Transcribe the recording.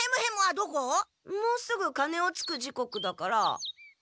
もうすぐカネをつく時刻だから。